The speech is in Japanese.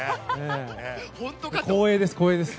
光栄です。